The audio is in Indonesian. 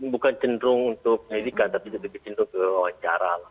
bukan cenderung untuk penyelidikan tapi cenderung untuk wawancara